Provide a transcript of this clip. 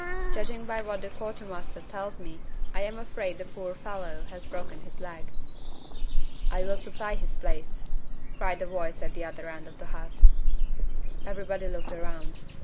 Judging by what the quartermaster tells me, I am afraid the poor fellow has broken his leg." "I will supply his place," cried a voice at the other end of the hut. Everybody looked round.